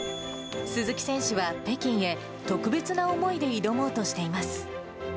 鈴木選手は北京へ、特別な思いで挑もうとしています。